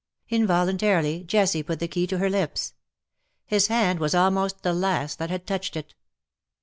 '^ Involuntarily, Jessie put the key to her lips. His hand was almost the last that had touched it.